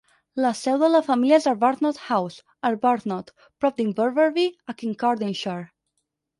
La seu de la família és Arbuthnott House, Arbuthnott, prop d'Inverbervie a Kincardineshire.